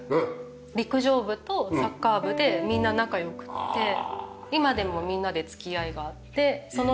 陸上部とサッカー部でみんな仲良くて今でもみんなで付き合いがあってその中で。